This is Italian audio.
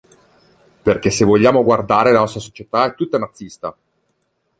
Perché se vogliamo guardare la nostra società è tutta nazista!